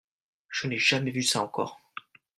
Je n'ai jamais vu ça encore.